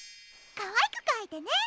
かわいくかいてね。